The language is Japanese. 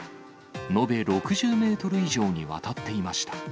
延べ６０メートル以上にわたっていました。